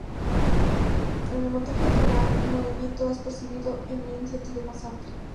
En el montaje tonal el movimiento es percibido en un sentido más amplio.